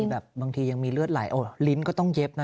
แบบบางทียังมีเลือดไหลลิ้นก็ต้องเย็บนะ